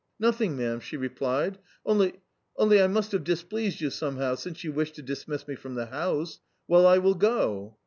"Nothing, ma'am," she replied; "only only I must have displeased you somehow, since you wish to dismiss me from the house. Well, I will go."